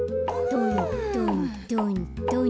トントントントン。